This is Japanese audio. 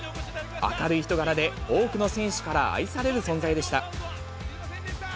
明るい人柄で多くの選手から愛される存在でした。